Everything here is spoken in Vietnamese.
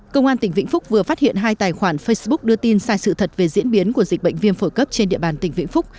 công an tỉnh vĩnh phúc vừa phát hiện hai tài khoản facebook đưa tin sai sự thật về diễn biến của dịch bệnh viêm phổi cấp trên địa bàn tỉnh vĩnh phúc